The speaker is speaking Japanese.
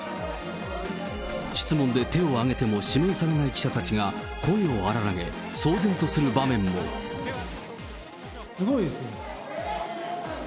質問で手を挙げても指名されない記者たちが声を荒らげ、騒然すごいですね。